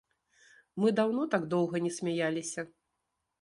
Мы даўно так доўга не смяяліся!